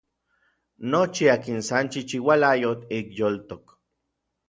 Nochi akin san chichiualayotl ik yoltok.